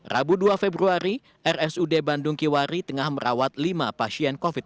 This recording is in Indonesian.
rabu dua februari rsud bandung kiwari tengah merawat lima pasien covid sembilan belas